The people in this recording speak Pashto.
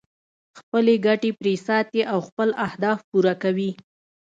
خپلې ګټې پرې ساتي او خپل اهداف پوره کوي.